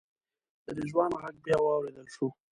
د رضوان غږ بیا واورېدل شو.